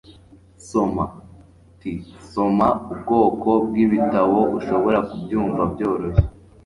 soma [t] soma ubwoko bwibitabo ushobora kubyumva byoroshye